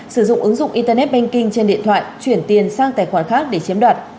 sử dụng ứng dụng internet banking trên điện thoại chuyển tiền sang tài khoản khác để chiếm đoạt